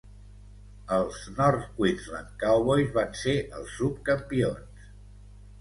Els North Queensland Cowboys van ser els subcampions.